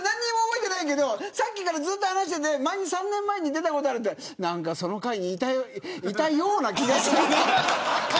でも、さっきからずっと話していて３年前に出たことあるって何かその回にいたような気がする。